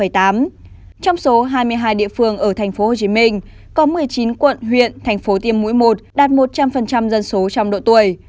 trong số hai mươi hai địa phương ở tp hcm có một mươi chín quận huyện thành phố tiêm mũi một đạt một trăm linh dân số trong độ tuổi